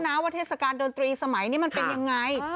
ว่าเทศกาลดนตรีสมัยนี้มันเป็นยังไง